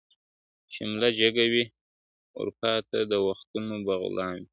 شمله جګه وي ور پاته د وختونو به غلام وي !.